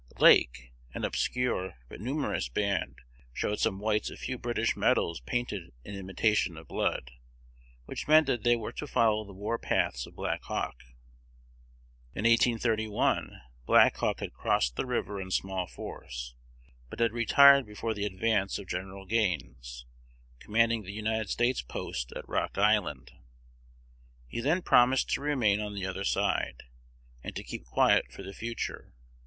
Lake, an obscure but numerous band showed some whites a few British medals painted in imitation of blood, which meant that they were to follow the war paths of Black Hawk. In 1831 Black Hawk had crossed the river in small force, but had retired before the advance of Gen. Gaines, commanding the United States post at Rock Island. He then promised to remain on the other side, and to keep quiet for the future.